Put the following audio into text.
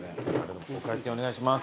お会計お願いします。